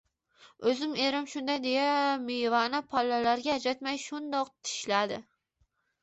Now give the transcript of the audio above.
O`zim, erim shunday deya mevani pallalarga ajratmay shundoq tishladi